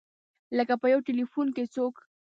لکه په یو ټیلفون چې څوک.